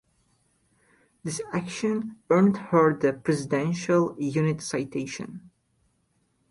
This action earned her the Presidential Unit Citation.